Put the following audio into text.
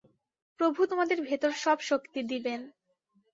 প্রভু তোমাদের ভেতর সব শক্তি দিবেন।